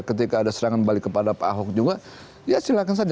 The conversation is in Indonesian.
ketika ada serangan balik kepada pak ahok juga ya silahkan saja